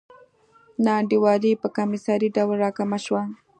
نا انډولي په کمسارې ډول راکمه شوه.